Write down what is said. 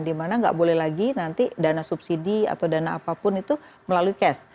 dimana nggak boleh lagi nanti dana subsidi atau dana apapun itu melalui cash